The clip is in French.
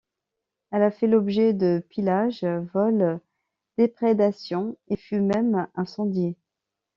Elle a fait l’objet de pillages, vols, déprédations, et fut même incendiée.